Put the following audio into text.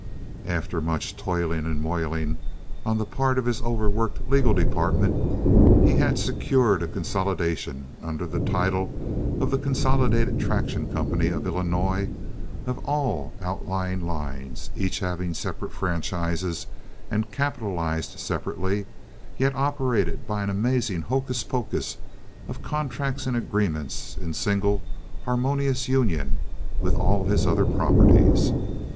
After much toiling and moiling on the part of his overworked legal department he had secured a consolidation, under the title of the Consolidated Traction Company of Illinois, of all outlying lines, each having separate franchises and capitalized separately, yet operated by an amazing hocus pocus of contracts and agreements in single, harmonious union with all his other properties.